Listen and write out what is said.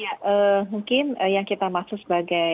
ya mungkin yang kita maksud sebagai